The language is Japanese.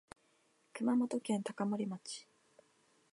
熊本県高森町